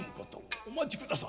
「お待ちくだされ。